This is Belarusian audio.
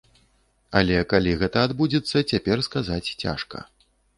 Але калі гэта адбудзецца, цяпер сказаць цяжка.